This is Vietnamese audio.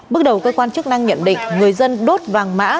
bước đầu cơ quan chức năng nhận định người dân đốt vàng mã